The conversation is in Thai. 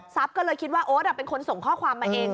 ก็เลยคิดว่าโอ๊ตเป็นคนส่งข้อความมาเอง